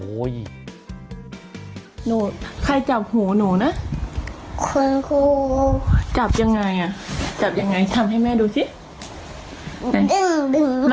หนูใครจับหูหนูนะจับอย่างไรจับอย่างไรทำให้แม่ดูสิ